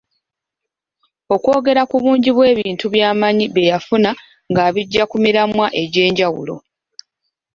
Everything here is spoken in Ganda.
Okwongera ku bungi bw’ebintu byamanyi bye yafuna nga abijja ku miramwa egy’enjawulo.